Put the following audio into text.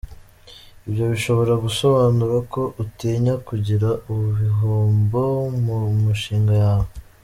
Ibyo bishobora gusobanura ko utinya kugira igihombo mu mishinga yawe.